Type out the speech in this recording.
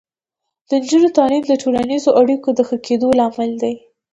د نجونو تعلیم د ټولنیزو اړیکو د ښه کیدو لامل دی.